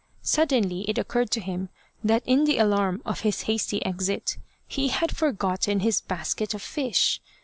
Suddenly it occurred to him, that in the alarm of his hasty exit, he had forgotten his basket of fish.